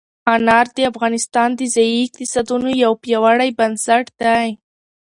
انار د افغانستان د ځایي اقتصادونو یو پیاوړی بنسټ دی.